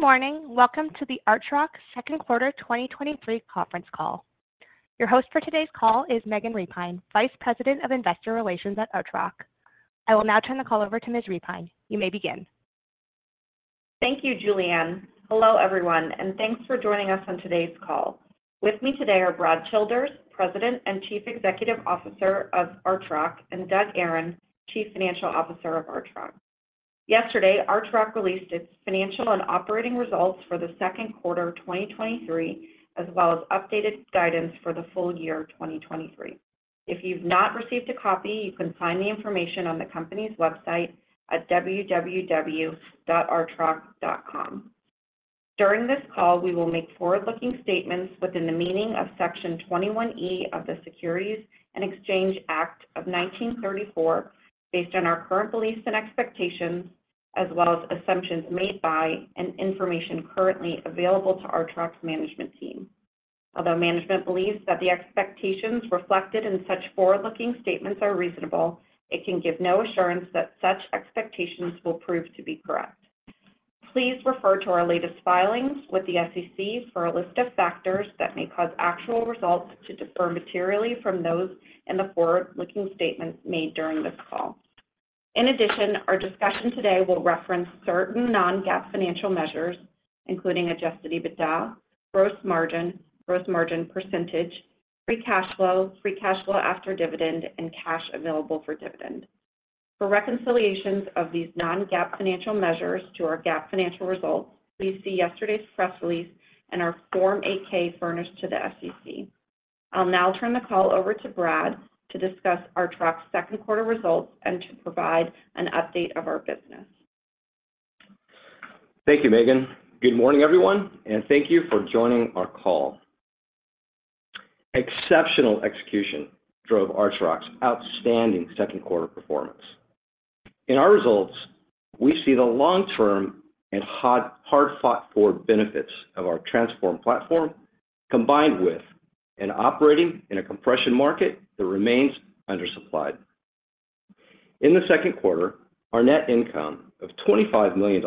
Good morning. Welcome to the Archrock Q2 2023 conference call. Your host for today's call is Megan Repine, Vice President of Investor Relations at Archrock. I will now turn the call over to Ms. Repine. You may begin. Thank you, Julianne. Hello, everyone, thanks for joining us on today's call. With me today are Brad Childers, President and Chief Executive Officer of Archrock, and Doug Aron, Chief Financial Officer of Archrock. Yesterday, Archrock released its financial and operating results for the Q2 of 2023, as well as updated guidance for the full year of 2023. If you've not received a copy, you can find the information on the company's website at www.archrock.com. During this call, we will make forward-looking statements within the meaning of Section 21E of the Securities Exchange Act of 1934, based on our current beliefs and expectations, as well as assumptions made by and information currently available to Archrock's management team. Although management believes that the expectations reflected in such forward-looking statements are reasonable, it can give no assurance that such expectations will prove to be correct. Please refer to our latest filings with the SEC for a list of factors that may cause actual results to differ materially from those in the forward-looking statements made during this call. In addition, our discussion today will reference certain non-GAAP financial measures, including adjusted EBITDA, gross margin, gross margin percentage, free cash flow, free cash flow after dividend, and cash available for dividend. For reconciliations of these non-GAAP financial measures to our GAAP financial results, please see yesterday's press release and our Form 8-K furnished to the SEC. I'll now turn the call over to Brad to discuss Archrock's Q2 results and to provide an update of our business. Thank you, Megan. Good morning, everyone, thank you for joining our call. Exceptional execution drove Archrock's outstanding Q2 performance. In our results, we see the long-term and hard, hard-fought-for benefits of our transformed platform, combined with and operating in a compression market that remains undersupplied. In the Q2, our net income of $25 million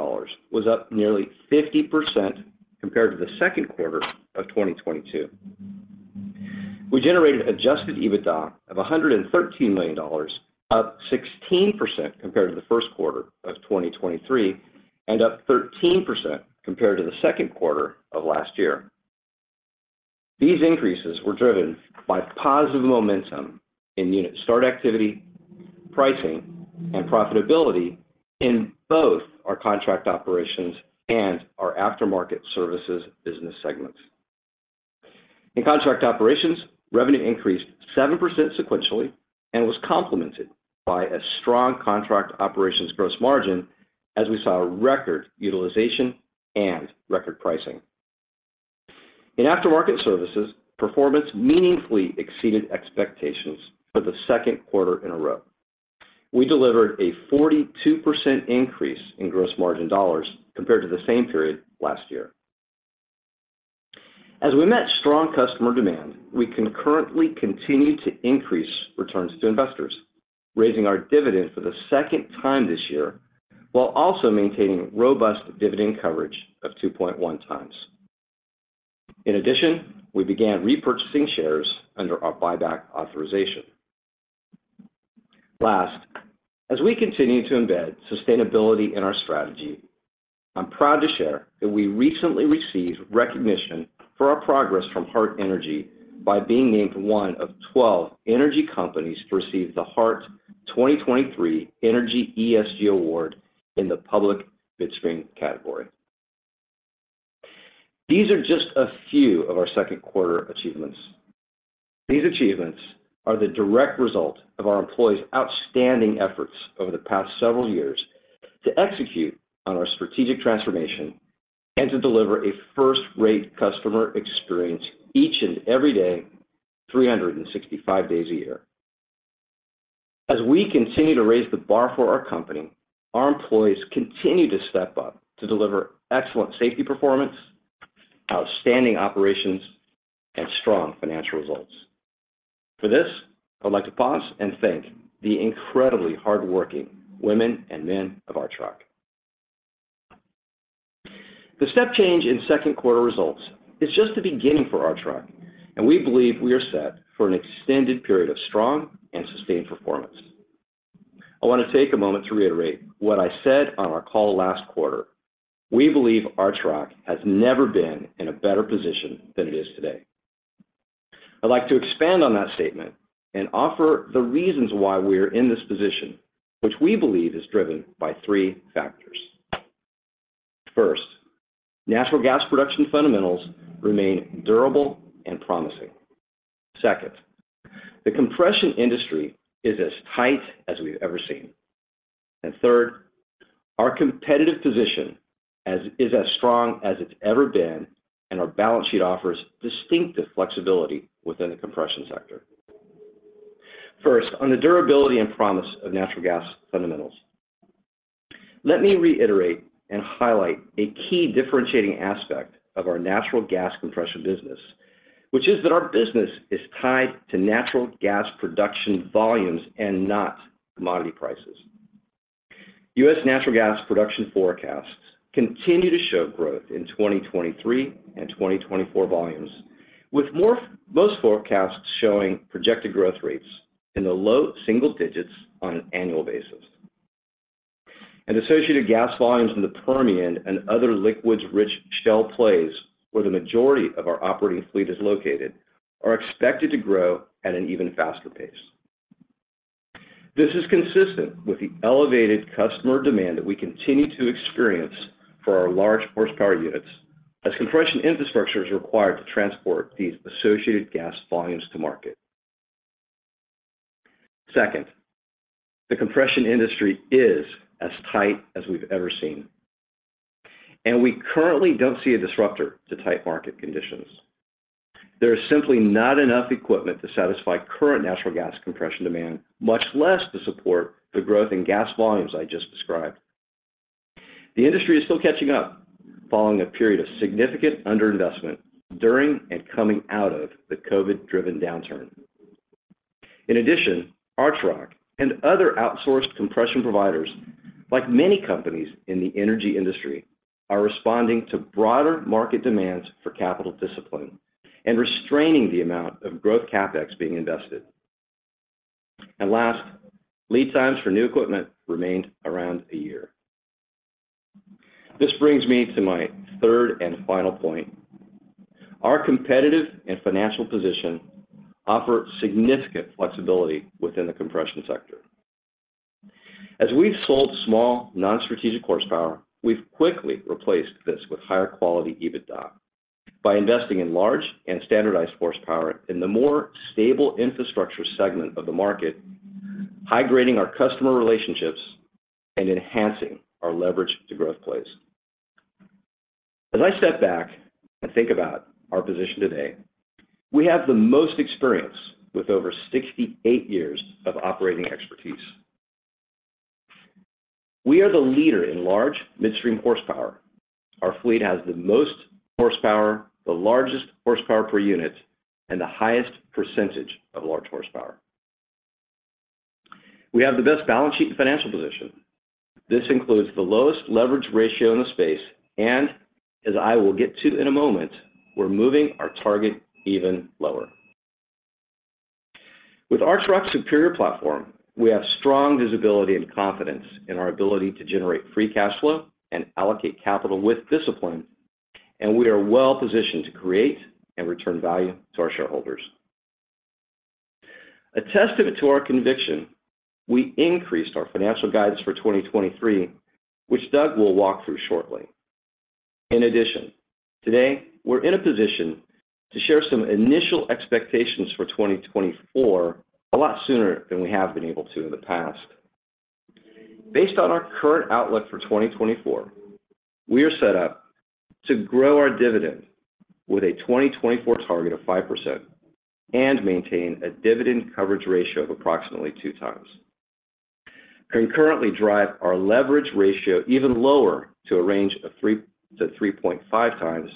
was up nearly 50% compared to the Q2 of 2022. We generated adjusted EBITDA of $113 million, up 16% compared to the Q1 of 2023, and up 13% compared to the Q2 of last year. These increases were driven by positive momentum in unit start activity, pricing, and profitability in both our contract operations and our aftermarket services business segments. In contract operations, revenue increased 7% sequentially and was complemented by a strong contract operations gross margin as we saw record utilization and record pricing. In aftermarket services, performance meaningfully exceeded expectations for the Q2 in a row. We delivered a 42% increase in gross margin dollars compared to the same period last year. We concurrently continued to increase returns to investors, raising our dividend for the second time this year, while also maintaining robust dividend coverage of 2.1 times. In addition, we began repurchasing shares under our buyback authorization. Last, as we continue to embed sustainability in our strategy, I'm proud to share that we recently received recognition for our progress from Hart Energy by being named one of 12 energy companies to receive the Hart 2023 Energy ESG Awards in the public midstream category. These are just a few of our Q2 achievements. These achievements are the direct result of our employees' outstanding efforts over the past several years to execute on our strategic transformation and to deliver a first-rate customer experience each and every day, 365 days a year. As we continue to raise the bar for our company, our employees continue to step up to deliver excellent safety performance, outstanding operations, and strong financial results. For this, I'd like to pause and thank the incredibly hardworking women and men of Archrock. The step change in Q2 results is just the beginning for Archrock, and we believe we are set for an extended period of strong and sustained performance. I want to take a moment to reiterate what I said on our call last quarter. We believe Archrock has never been in a better position than it is today. I'd like to expand on that statement and offer the reasons why we are in this position, which we believe is driven by three factors. First, natural gas production fundamentals remain durable and promising. Second, the compression industry is as tight as we've ever seen. Third, our competitive position is as strong as it's ever been, and our balance sheet offers distinctive flexibility within the compression sector. First, on the durability and promise of natural gas fundamentals. Let me reiterate and highlight a key differentiating aspect of our natural gas compression business. which is that our business is tied to natural gas production volumes and not commodity prices. U.S. natural gas production forecasts continue to show growth in 2023 and 2024 volumes, with most forecasts showing projected growth rates in the low single digits on an annual basis. Associated gas volumes in the Permian and other liquids-rich shale plays, where the majority of our operating fleet is located, are expected to grow at an even faster pace. This is consistent with the elevated customer demand that we continue to experience for our large horsepower units, as compression infrastructure is required to transport these associated gas volumes to market. Second, the compression industry is as tight as we've ever seen, and we currently don't see a disruptor to tight market conditions. There is simply not enough equipment to satisfy current natural gas compression demand, much less to support the growth in gas volumes I just described. The industry is still catching up following a period of significant underinvestment during and coming out of the COVID-driven downturn. In addition, Archrock and other outsourced compression providers, like many companies in the energy industry, are responding to broader market demands for capital discipline and restraining the amount of growth CapEx being invested. Last, lead times for new equipment remained around 1 year. This brings me to my third and final point. Our competitive and financial position offer significant flexibility within the compression sector. As we've sold small, non-strategic horsepower, we've quickly replaced this with higher quality EBITDA by investing in large and standardized horsepower in the more stable infrastructure segment of the market, high-grading our customer relationships, and enhancing our leverage to growth plays. As I step back and think about our position today, we have the most experience with over 68 years of operating expertise. We are the leader in large midstream horsepower. Our fleet has the most horsepower, the largest horsepower per unit, and the highest percentage of large horsepower. We have the best balance sheet and financial position. This includes the lowest leverage ratio in the space, and as I will get to in a moment, we're moving our target even lower. With Archrock's superior platform, we have strong visibility and confidence in our ability to generate free cash flow and allocate capital with discipline, and we are well positioned to create and return value to our shareholders. A testament to our conviction, we increased our financial guidance for 2023, which Doug will walk through shortly. In addition, today, we're in a position to share some initial expectations for 2024, a lot sooner than we have been able to in the past. Based on our current outlook for 2024, we are set up to grow our dividend with a 2024 target of 5% and maintain a dividend coverage ratio of approximately two times. Concurrently drive our leverage ratio even lower to a range of three to three point five times.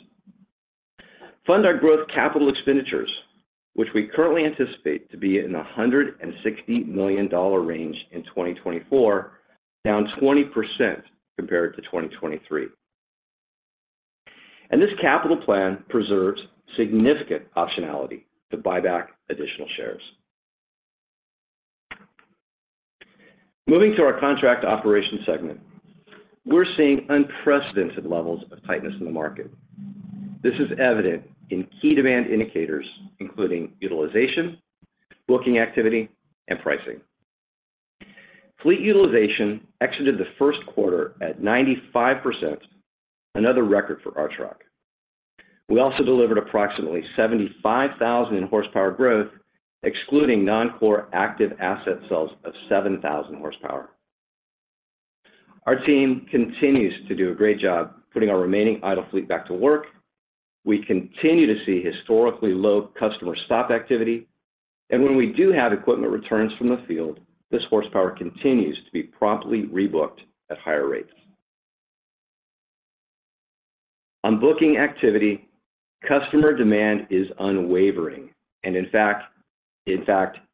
Fund our growth capital expenditures, which we currently anticipate to be in the $160 million range in 2024, down 20% compared to 2023. This capital plan preserves significant optionality to buy back additional shares. Moving to our contract operations segment, we're seeing unprecedented levels of tightness in the market. This is evident in key demand indicators, including utilization, booking activity, and pricing. Fleet utilization exited the Q1 at 95%, another record for Archrock. We also delivered approximately 75,000 in horsepower growth, excluding non-core active asset sales of 7,000 horsepower. Our team continues to do a great job putting our remaining idle fleet back to work. We continue to see historically low customer stop activity, and when we do have equipment returns from the field, this horsepower continues to be promptly rebooked at higher rates. On booking activity, customer demand is unwavering and in fact,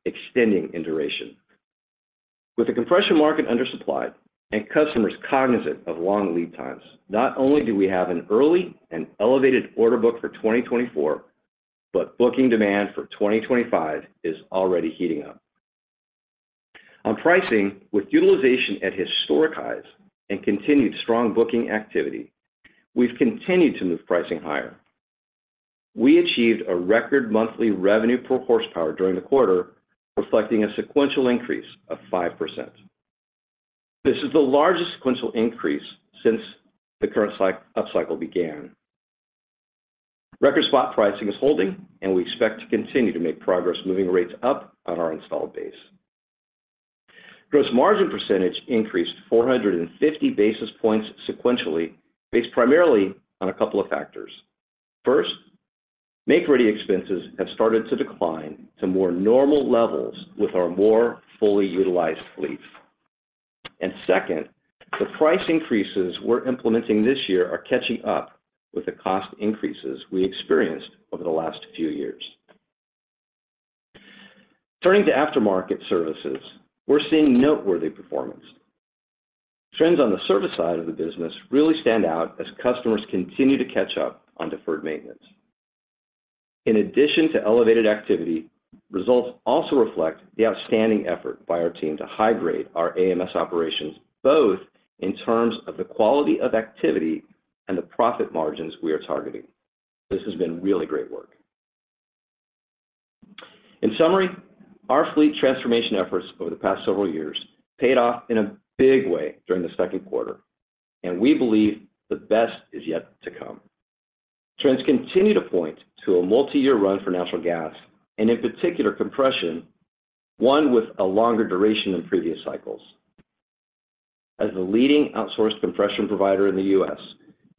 extending in duration. With the compression market undersupplied and customers cognizant of long lead times, not only do we have an early and elevated order book for 2024, but booking demand for 2025 is already heating up. On pricing, with utilization at historic highs and continued strong booking activity, we've continued to move pricing higher. We achieved a record monthly revenue per horsepower during the quarter, reflecting a sequential increase of 5%. This is the largest sequential increase since the current cycle-- upcycle began. Record spot pricing is holding, and we expect to continue to make progress moving rates up on our installed base. Gross margin percentage increased 450 basis points sequentially, based primarily on a couple of factors. First, make-ready expenses have started to decline to more normal levels with our more fully utilized fleet. Second, the price increases we're implementing this year are catching up with the cost increases we experienced over the last few years. Turning to aftermarket services, we're seeing noteworthy performance. Trends on the service side of the business really stand out as customers continue to catch up on deferred maintenance. In addition to elevated activity, results also reflect the outstanding effort by our team to high-grade our AMS operations, both in terms of the quality of activity and the profit margins we are targeting. This has been really great work. In summary, our fleet transformation efforts over the past several years paid off in a big way during the Q2, and we believe the best is yet to come. Trends continue to point to a multi-year run for natural gas, and in particular, compression, one with a longer duration than previous cycles. As the leading outsourced compression provider in the U.S.,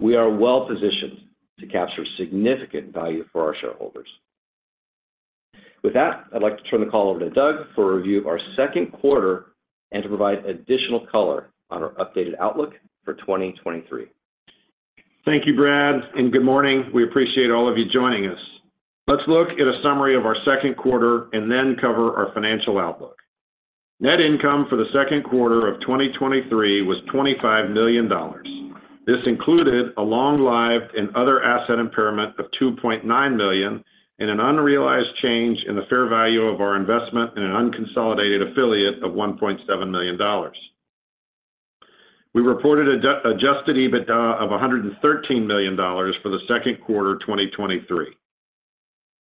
we are well-positioned to capture significant value for our shareholders. With that, I'd like to turn the call over to Doug for a review of our Q2 and to provide additional color on our updated outlook for 2023. Thank you, Brad. Good morning. We appreciate all of you joining us. Let's look at a summary of our Q2 and then cover our financial outlook. Net income for the Q2 of 2023 was $25 million. This included a long-lived and other asset impairment of $2.9 million, and an unrealized change in the fair value of our investment in an unconsolidated affiliate of $1.7 million. We reported adjusted EBITDA of $113 million for the Q2 2023.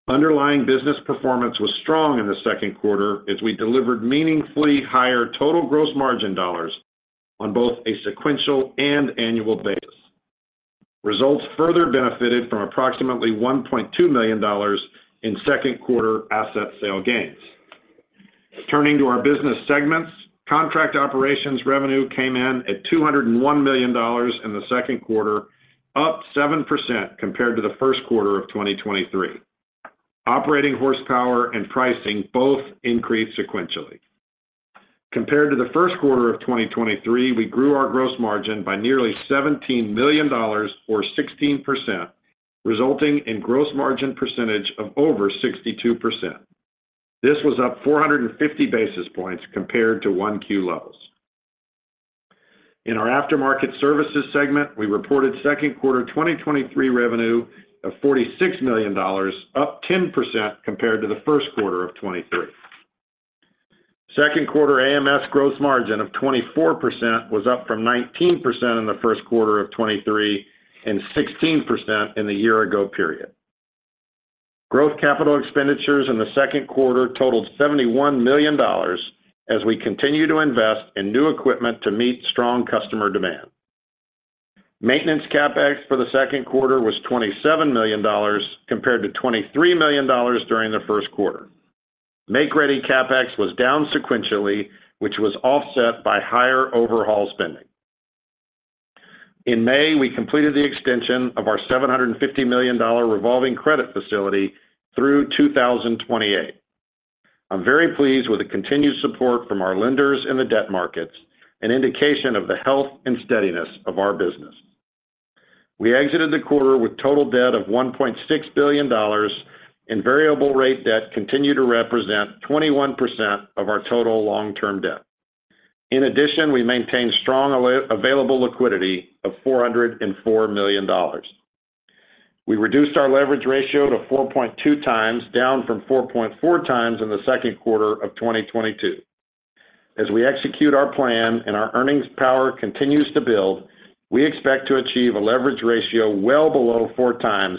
Underlying business performance was strong in the Q2 as we delivered meaningfully higher total gross margin dollars on both a sequential and annual basis. Results further benefited from approximately $1.2 million in Q2 asset sale gains. Turning to our business segments, contract operations revenue came in at $201 million in the Q2, up 7% compared to the Q1 of 2023. Operating horsepower and pricing both increased sequentially. Compared to the Q1 of 2023, we grew our gross margin by nearly $17 million or 16%, resulting in gross margin percentage of over 62%. This was up 450 basis points compared to Q1 levels. In our aftermarket services segment, we reported Q2 2023 revenue of $46 million, up 10% compared to the Q1 of 2023. Q2 AMS gross margin of 24% was up from 19% in the Q1 of 2023, and 16% in the year ago period. Growth capital expenditures in the Q2 totaled $71 million, as we continue to invest in new equipment to meet strong customer demand. Maintenance CapEx for the Q2 was $27 million, compared to $23 million during the Q1. Make-ready CapEx was down sequentially, which was offset by higher overhaul spending. In May, we completed the extension of our $750 million revolving credit facility through 2028. I'm very pleased with the continued support from our lenders in the debt markets, an indication of the health and steadiness of our business. We exited the quarter with total debt of $1.6 billion. Variable rate debt continued to represent 21% of our total long-term debt. In addition, we maintained strong available liquidity of $404 million. We reduced our leverage ratio to 4.2x, down from 4.4x in the Q2 of 2022. As we execute our plan and our earnings power continues to build, we expect to achieve a leverage ratio well below 4x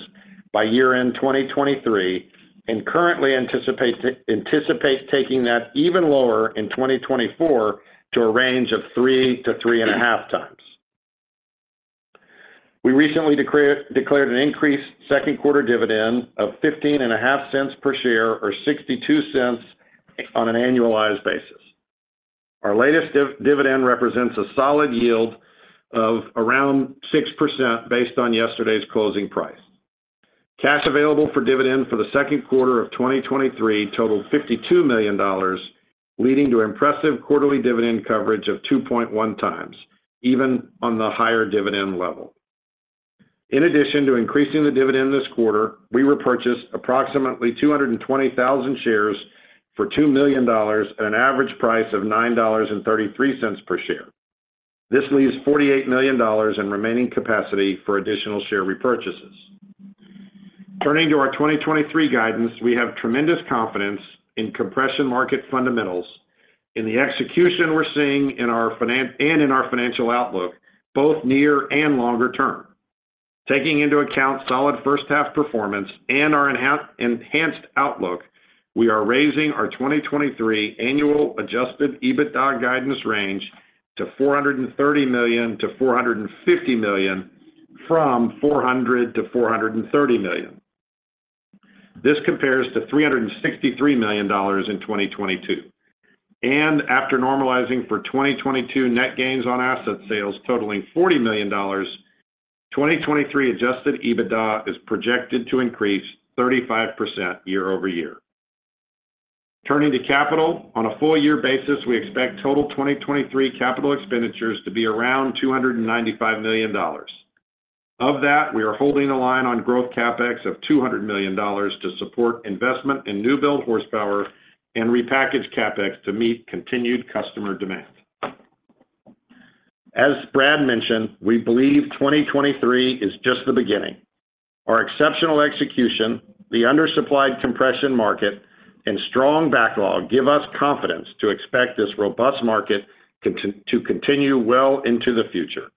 by year-end 2023, and currently anticipate taking that even lower in 2024 to a range of 3-3.5x. We recently declared an increased Q2 dividend of $0.155 per share or $0.62 on an annualized basis. Our latest dividend represents a solid yield of around 6% based on yesterday's closing price. Cash available for dividend for the Q2 of 2023 totaled $52 million, leading to impressive quarterly dividend coverage of 2.1x, even on the higher dividend level. In addition to increasing the dividend this quarter, we repurchased approximately 220,000 shares for $2 million at an average price of $9.33 per share. This leaves $48 million in remaining capacity for additional share repurchases. Turning to our 2023 guidance, we have tremendous confidence in compression market fundamentals, in the execution we're seeing and in our financial outlook, both near and longer term. Taking into account solid first half performance and our enhanced outlook, we are raising our 2023 annual adjusted EBITDA guidance range to $430 million-$450 million, from $400 million-$430 million. This compares to $363 million in 2022. After normalizing for 2022 net gains on asset sales totaling $40 million, 2023 adjusted EBITDA is projected to increase 35% year-over-year. Turning to capital, on a full year basis, we expect total 2023 capital expenditures to be around $295 million. Of that, we are holding the line on growth CapEx of $200 million to support investment in new build horsepower and repackage CapEx to meet continued customer demand. As Brad mentioned, we believe 2023 is just the beginning. Our exceptional execution, the undersupplied compression market, and strong backlog give us confidence to expect this robust market to continue well into the future.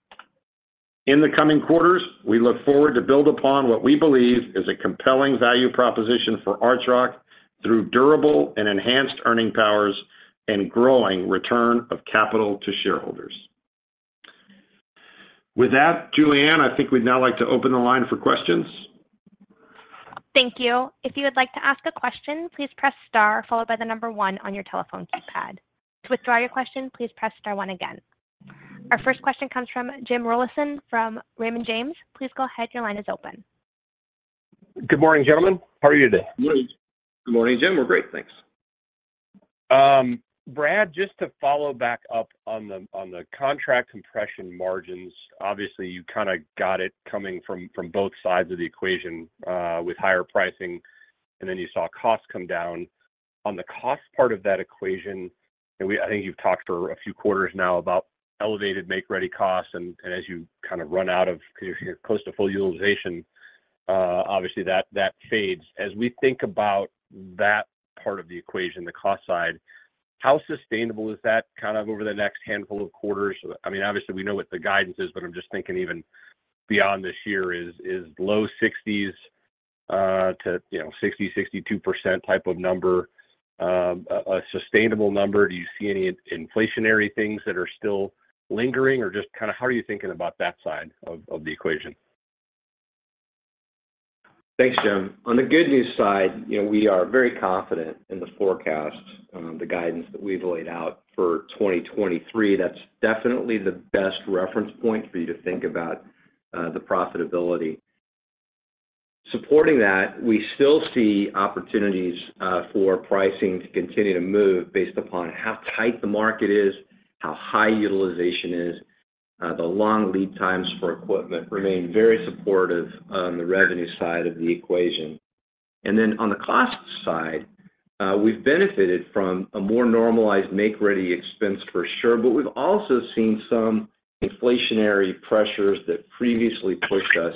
In the coming quarters, we look forward to build upon what we believe is a compelling value proposition for Archrock through durable and enhanced earning powers and growing return of capital to shareholders. With that, Julianne, I think we'd now like to open the line for questions. Thank you. If you would like to ask a question, please press star followed by one on your telephone keypad. To withdraw your question, please press star one again. Our first question comes from James Rollyson from Raymond James. Please go ahead. Your line is open. Good morning, gentlemen. How are you today? Good morning. Good morning, Jim. We're great, thanks. Brad, just to follow back up on the, on the contract compression margins, obviously, you kinda got it coming from, from both sides of the equation, with higher pricing, and then you saw costs come down. On the cost part of that equation, I think you've talked for a few quarters now about elevated make-ready costs, and, and as you kind of run out of... if you're close to full utilization, obviously, that, that fades. As we think about that part of the equation, the cost side, how sustainable is that kind of over the next handful of quarters? I mean, obviously, we know what the guidance is, but I'm just thinking even beyond this year, is, is low 60s to, you know, 60%-62% type of number, a, a sustainable number? Do you see any inflationary things that are still lingering, or just kinda how are you thinking about that side of, of the equation? Thanks, Jim. On the good news side, you know, we are very confident in the forecast, the guidance that we've laid out for 2023. That's definitely the best reference point for you to think about, the profitability. Supporting that, we still see opportunities, for pricing to continue to move based upon how tight the market is, how high utilization is. The long lead times for equipment remain very supportive on the revenue side of the equation. Then on the cost side, we've benefited from a more normalized make-ready expense, for sure, but we've also seen some inflationary pressures that previously pushed us,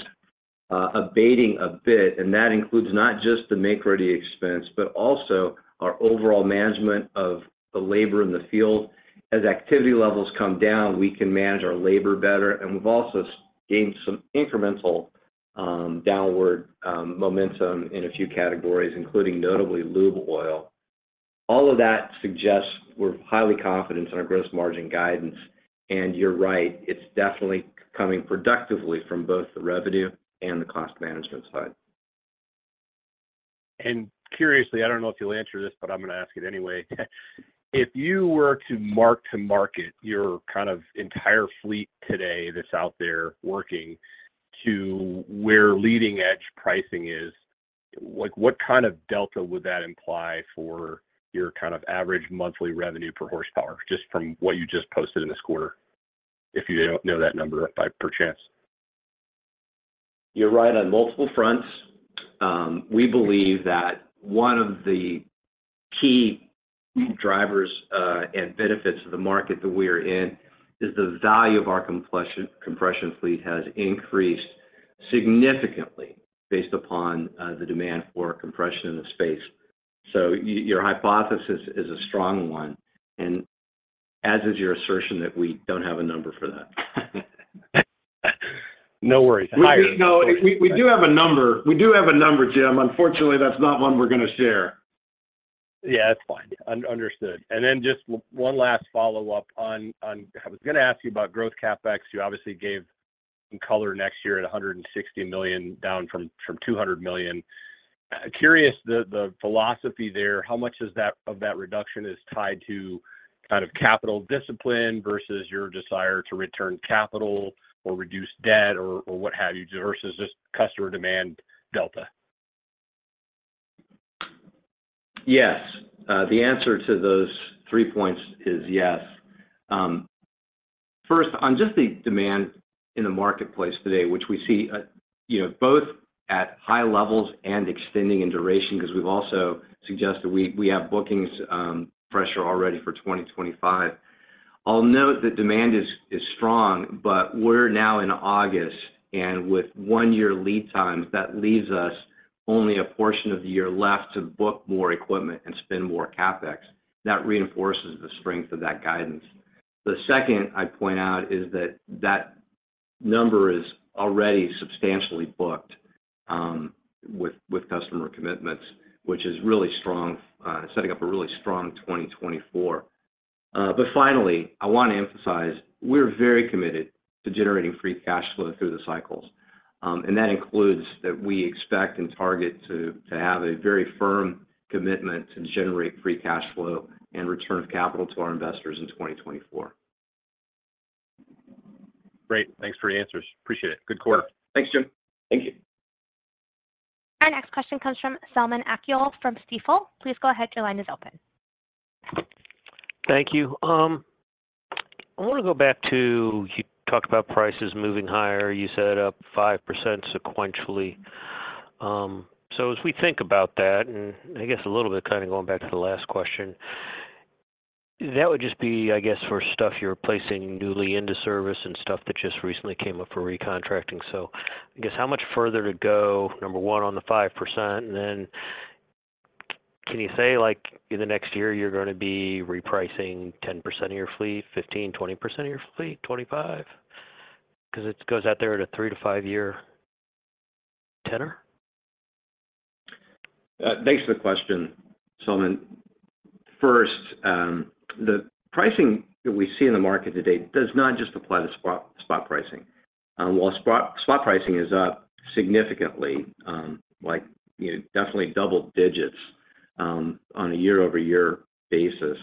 abating a bit, and that includes not just the make-ready expense, but also our overall management of the labor in the field. As activity levels come down, we can manage our labor better, and we've also gained some incremental downward momentum in a few categories, including notably lube oil. All of that suggests we're highly confident in our gross margin guidance, and you're right, it's definitely coming productively from both the revenue and the cost management side. Curiously, I don't know if you'll answer this, but I'm gonna ask it anyway. If you were to mark to market your kind of entire fleet today that's out there working to where leading-edge pricing is, like, what kind of delta would that imply for your kind of average monthly revenue per horsepower, just from what you just posted in this quarter? If you don't know that number by perchance? You're right on multiple fronts. We believe that one of the key drivers and benefits of the market that we are in is the value of our compression fleet has increased significantly based upon the demand for compression in the space. Your hypothesis is a strong one, and as is your assertion that we don't have a number for that. No worries. We do have a number. We do have a number, James. Unfortunately, that's not one we're gonna share. Yeah, it's fine. understood. Then just one last follow-up. I was gonna ask you about growth CapEx. You obviously gave some color next year at $160 million, down from $200 million. Curious, the philosophy there, how much of that reduction is tied to kind of capital discipline versus your desire to return capital or reduce debt or, or what have you, versus just customer demand delta? Yes. The answer to those three points is yes. First, on just the demand in the marketplace today, which we see, you know, both at high levels and extending in duration, because we've also suggested we, we have bookings, pressure already for 2025. I'll note that demand is, is strong, but we're now in August, and with one year lead times, that leaves us only a portion of the year left to book more equipment and spend more CapEx. That reinforces the strength of that guidance. The second I'd point out is that that number is already substantially booked, with, with customer commitments, which is really strong, setting up a really strong 2024. Finally, I want to emphasize, we're very committed to generating free cash flow through the cycles, and that includes that we expect and target to have a very firm commitment to generate free cash flow and return of capital to our investors in 2024. Great. Thanks for your answers. Appreciate it. Good quarter. Thanks, Jim. Thank you. Our next question comes from Selman Akyol from Stifel. Please go ahead. Your line is open. Thank you. I want to go back to you talked about prices moving higher. You said up 5% sequentially. As we think about that, and I guess a little bit kind of going back to the last question, that would just be, I guess, for stuff you're placing newly into service and stuff that just recently came up for recontracting. I guess how much further to go, number one, on the 5%? Then can you say, like, in the next year, you're going to be repricing 10% of your fleet, 15, 20% of your fleet, 25? Because it goes out there at a three -fiveyear tenor. Thanks for the question, Selman. First, the pricing that we see in the market today does not just apply to spot, spot pricing. While spot, spot pricing is up significantly, like, you know, definitely double digits on a year-over-year basis,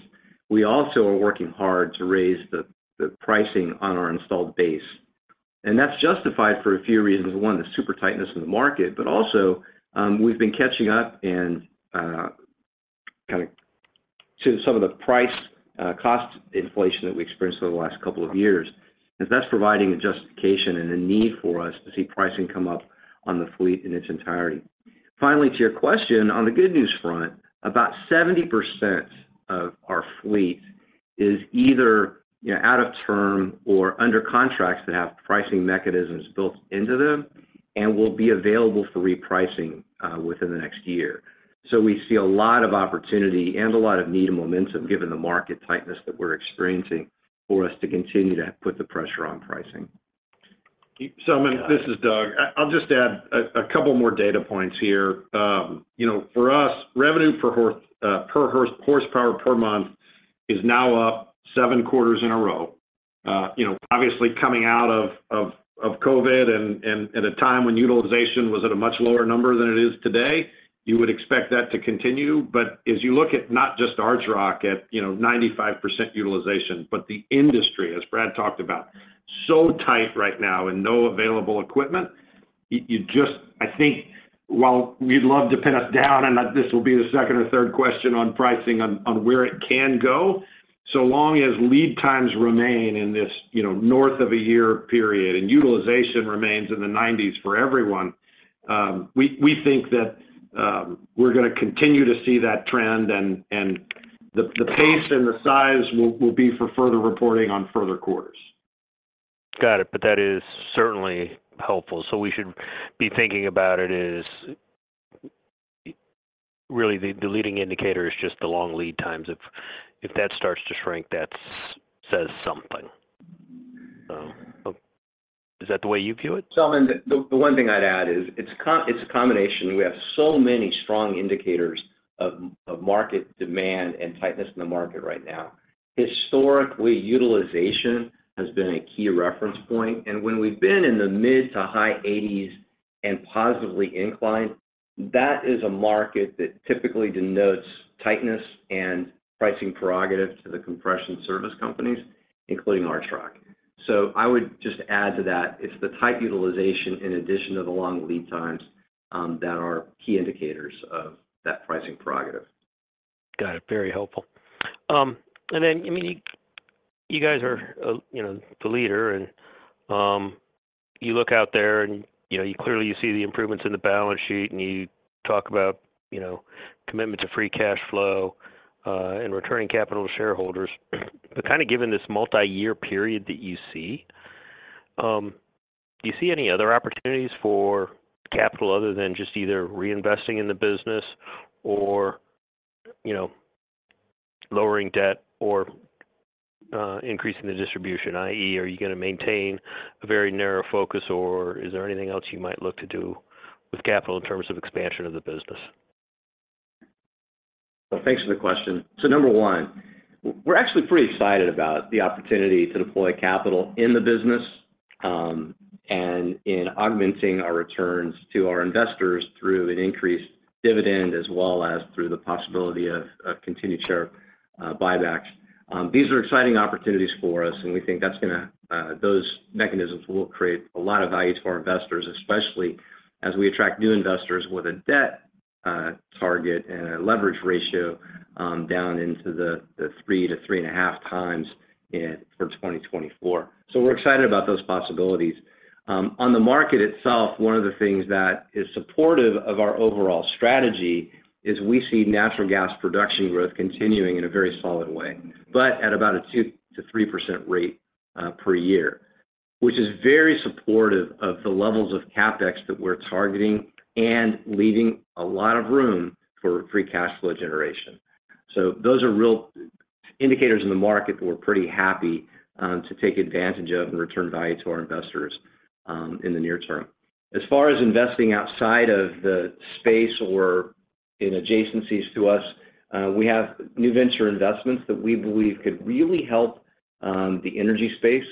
we also are working hard to raise the pricing on our installed base, and that's justified for a few reasons. One, the super tightness in the market, but also, we've been catching up and kind of to some of the price cost inflation that we experienced over the last couple of years. That's providing a justification and a need for us to see pricing come up on the fleet in its entirety. To your question, on the good news front, about 70% of our fleet is either, you know, out of term or under contracts that have pricing mechanisms built into them and will be available for repricing within the next year. We see a lot of opportunity and a lot of need and momentum, given the market tightness that we're experiencing, for us to continue to put the pressure on pricing. Selman, this is Doug. I, I'll just add a couple more data points here. You know, for us, revenue per horsepower per month is now up seven quarters in a row. You know, obviously coming out of, of, of COVID and, and at a time when utilization was at a much lower number than it is today, you would expect that to continue. As you look at not just Archrock at, you know, 95% utilization, but the industry, as Brad talked about, so tight right now and no available equipment, I think while we'd love to pin us down, and this will be the second or third question on pricing on, on where it can go, so long as lead times remain in this, you know, north of a year period, and utilization remains in the 90s for everyone, we, we think that, we're going to continue to see that trend, and, and the, the pace and the size will, will be for further reporting on further quarters. Got it. That is certainly helpful. We should be thinking about it as really the, the leading indicator is just the long lead times. If, if that starts to shrink, that's says something. Is that the way you view it? Selman, the one thing I'd add is it's a combination. We have so many strong indicators of, of market demand and tightness in the market right now. Historically, utilization has been a key reference point, and when we've been in the mid to high eighties and positively inclined, that is a market that typically denotes tightness and pricing prerogatives to the compression service companies, including Archrock. I would just add to that, it's the tight utilization in addition to the long lead times that are key indicators of that pricing prerogative. Got it. Very helpful. I mean, you guys are, you know, the leader, and, you look out there, and, you know, you clearly you see the improvements in the balance sheet, and you talk about, you know, commitment to free cash flow, and returning capital to shareholders. Kind of given this multiyear period that you see, do you see any other opportunities for capital other than just either reinvesting in the business or, you know, lowering debt or, increasing the distribution, i.e., are you going to maintain a very narrow focus, or is there anything else you might look to do with capital in terms of expansion of the business? Well, thanks for the question. number one, we're actually pretty excited about the opportunity to deploy capital in the business, and in augmenting our returns to our investors through an increased dividend, as well as through the possibility of continued share buybacks. These are exciting opportunities for us, and we think that's gonna those mechanisms will create a lot of value to our investors, especially as we attract new investors with a debt target and a leverage ratio down into the 3 to 3.5 times for 2024. We're excited about those possibilities. On the market itself, one of the things that is supportive of our overall strategy is we see natural gas production growth continuing in a very solid way, but at about a 2%-3% rate per year, which is very supportive of the levels of CapEx that we're targeting and leaving a lot of room for free cash flow generation. Those are real indicators in the market that we're pretty happy to take advantage of and return value to our investors in the near term. As far as investing outside of the space or in adjacencies to us, we have new venture investments that we believe could really help the energy space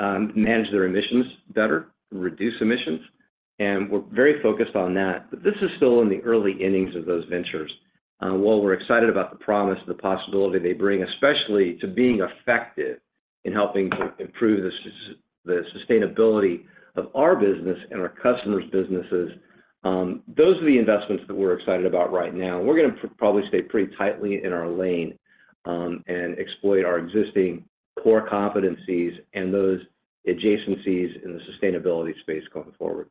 manage their emissions better, reduce emissions. We're very focused on that. This is still in the early innings of those ventures. While we're excited about the promise and the possibility they bring, especially to being effective in helping to improve the sustainability of our business and our customers' businesses, those are the investments that we're excited about right now. We're gonna probably stay pretty tightly in our lane, and exploit our existing core competencies and those adjacencies in the sustainability space going forward.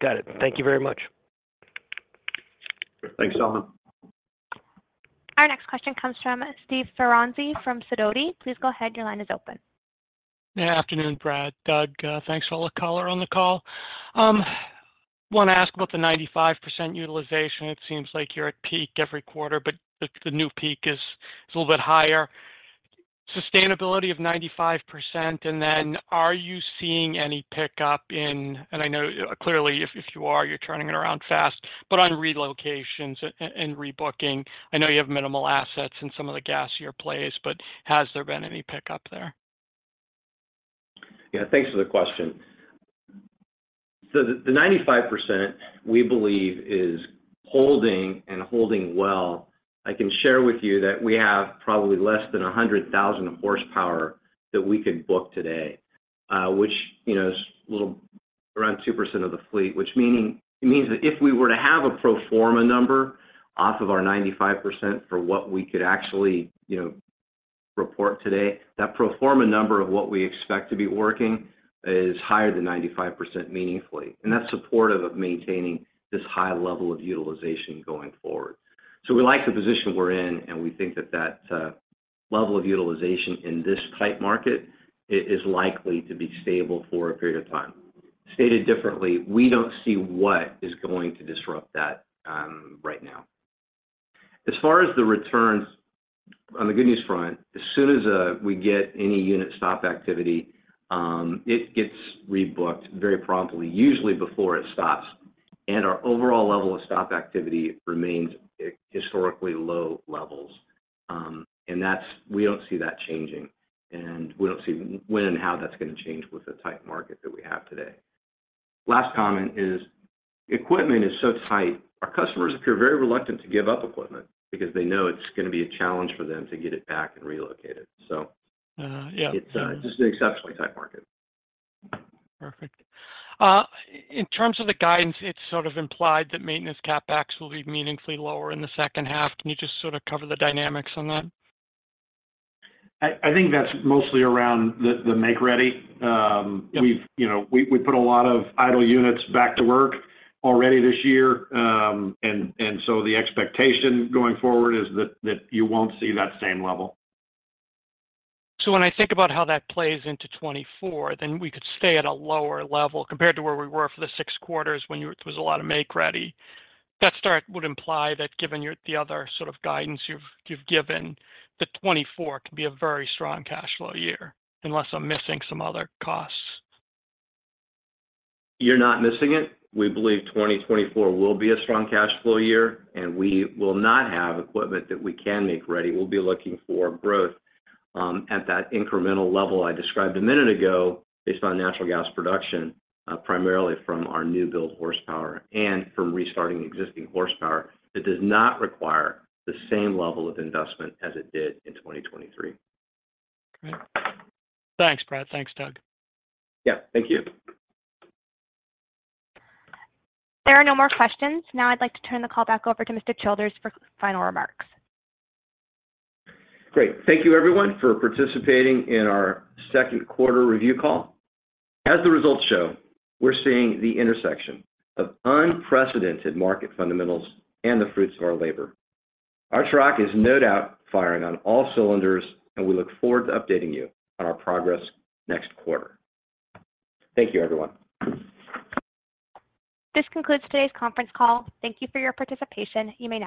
Got it. Thank thank you very much. Thanks, Selman. Our next question comes from Steve Ference from Sidoti. Please go ahead, your line is open. Good afternoon, Brad, Doug, thanks for all the color on the call. Wanna ask about the 95% utilization. It seems like you're at peak every quarter, but the, the new peak is, is a little bit higher. Sustainability of 95%, and then are you seeing any pickup in-- and I know, clearly, if, if you are, you're turning it around fast, but on relocations and rebooking, I know you have minimal assets in some of the gassier plays, but has there been any pickup there? Yeah, thanks for the question. The, the 95%, we believe, is holding and holding well. I can share with you that we have probably less than 100,000 horsepower that we could book today, which, you know, is a little around 2% of the fleet. Which means that if we were to have a pro forma number off of our 95% for what we could actually, you know, report today, that pro forma number of what we expect to be working is higher than 95% meaningfully, and that's supportive of maintaining this high level of utilization going forward. We like the position we're in, and we think that that level of utilization in this tight market is likely to be stable for a period of time. Stated differently, we don't see what is going to disrupt that right now. As far as the returns, on the good news front, as soon as we get any unit stop activity, it gets rebooked very promptly, usually before it stops, and our overall level of stop activity remains at historically low levels. And that's, we don't see that changing, and we don't see when and how that's gonna change with the tight market that we have today. Last comment is, equipment is so tight, our customers appear very reluctant to give up equipment because they know it's gonna be a challenge for them to get it back and relocated. Yeah.... It's, just an exceptionally tight market. Perfect. In terms of the guidance, it's sort of implied that maintenance CapEx will be meaningfully lower in the second half. Can you just sort of cover the dynamics on that? I, I think that's mostly around the, the make-ready. Yeah... we've, you know, we, we put a lot of idle units back to work already this year. So the expectation going forward is that, that you won't see that same level. When I think about how that plays into 2024, then we could stay at a lower level compared to where we were for the six quarters when there was a lot of make-ready. That start would imply that given the other sort of guidance you've, you've given, that 2024 could be a very strong cash flow year, unless I'm missing some other costs. You're not missing it. We believe 2024 will be a strong cash flow year, and we will not have equipment that we can make ready. We'll be looking for growth at that incremental level I described a minute ago, based on natural gas production, primarily from our new build horsepower and from restarting existing horsepower, that does not require the same level of investment as it did in 2023. Great. Thanks, Brad. Thanks, Doug. Yeah, thank you. There are no more questions. Now, I'd like to turn the call back over to Mr. Childers for final remarks. Great. Thank you, everyone, for participating in our Q2 review call. As the results show, we're seeing the intersection of unprecedented market fundamentals and the fruits of our labor. Archrock is no doubt firing on all cylinders. We look forward to updating you on our progress next quarter. Thank you, everyone. This concludes today's conference call. Thank you for your participation. You may now disconnect.